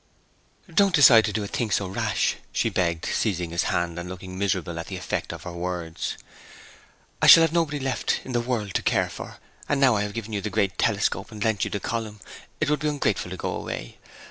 'Don't decide to do a thing so rash!' she begged, seizing his hand, and looking miserable at the effect of her words. 'I shall have nobody left in the world to care for! And now I have given you the great telescope, and lent you the column, it would be ungrateful to go away!